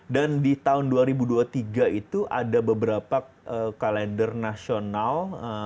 dan di tahun dua ribu dua puluh tiga itu ada beberapa kalender nasional